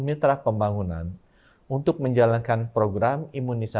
mitra pembangunan untuk menjalankan perubahan dan perubahan yang berhasil di dalam keadaan